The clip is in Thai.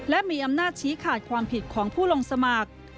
และมีอำนาจชี้ขาดความผิดของผู้ลงสมัคร